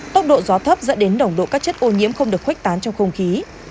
tốc độ gió thấp dẫn đến nồng độ các chất ô nhiễm không được khuếch tán trong không khí